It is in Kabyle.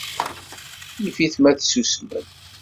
Yif-it ma tsusmem.